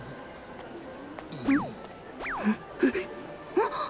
あっ！